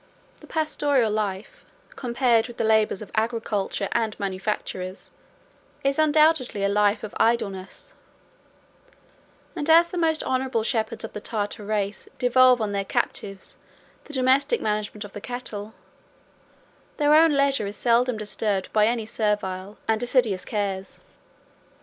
The pastoral life, compared with the labors of agriculture and manufactures, is undoubtedly a life of idleness; and as the most honorable shepherds of the Tartar race devolve on their captives the domestic management of the cattle, their own leisure is seldom disturbed by any servile and assiduous cares.